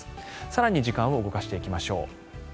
更に時間を動かしていきましょう。